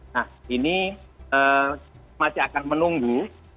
nah ini masih akan menunggu